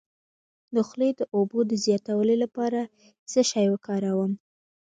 د خولې د اوبو د زیاتوالي لپاره څه شی وکاروم؟